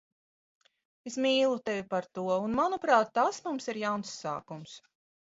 Es mīlu tevi par to un, manuprāt, tas mums ir jauns sākums.